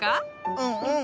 うんうん。